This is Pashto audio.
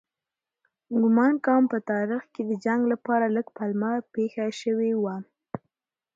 ګومان کوم په تاریخ کې د جنګ لپاره لږ پلمه پېښه شوې وي.